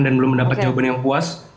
dan belum mendapat jawaban yang puas